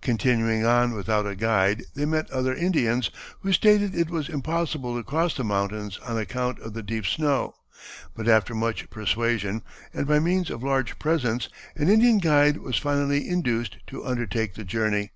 Continuing on without a guide they met other Indians, who stated it was impossible to cross the mountains on account of the deep snow, but after much persuasion, and by means of large presents, an Indian guide was finally induced to undertake the journey.